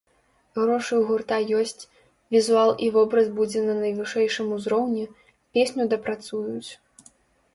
Грошы ў гурта ёсць, візуал і вобраз будзе на найвышэйшым узроўні, песню дапрацуюць.